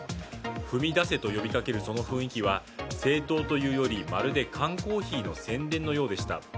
踏み出せと呼びかけるその雰囲気は政党というよりもまるで缶コーヒーの宣伝のようでした。